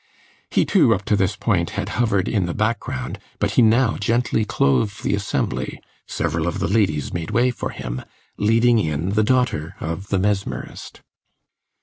He, too, up to this moment, had hovered in the background, but he now gently clove the assembly (several of the ladies made way for him), leading in the daughter of the mesmerist.